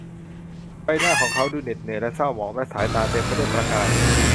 ใบหน้าของเขาดูเหน็ดเหนื่อยและเศร้าหมอง และสายตาเต็มไปด้วยประกาย